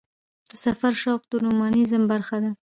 د سفر شوق د رومانتیزم برخه ده.